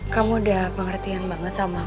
sampai jumpa di video selanjutnya